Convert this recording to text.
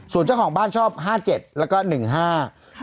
ส่วนเจ้าของบ้านชอบห้าเจ็ดแล้วก็หนึ่งห้า